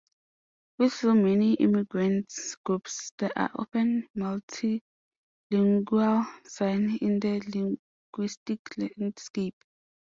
With so many immigrant groups, there are often multilingual signs in the linguistic landscape.